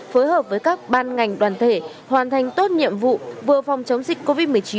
phối hợp với các ban ngành đoàn thể hoàn thành tốt nhiệm vụ vừa phòng chống dịch covid một mươi chín